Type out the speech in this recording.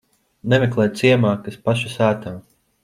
Nemeklē ciemā, kas paša sētā.